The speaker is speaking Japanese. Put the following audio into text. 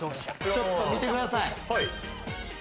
ちょっと見てください。